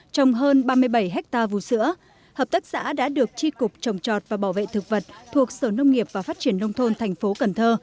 trồng hơn ba mươi bảy hectare vũ sữa hợp tác xã đã được tri cục trồng trọt và bảo vệ thực vật thuộc sở nông nghiệp và phát triển nông thôn thành phố cần thơ